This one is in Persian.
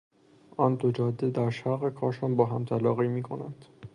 آن دو جاده در شرق کاشان با هم تلاقی میکنند.